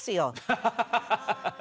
ハハハハッ。